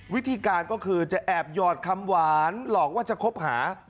วิธีการก็คือจะแอบหยอดคำหวานหลอกว่าจะคบหา